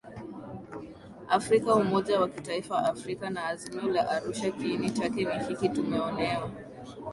Afrika umoja wa kitaifa Afrika na Azimio la ArushaKiini chake ni hiki Tumeonewa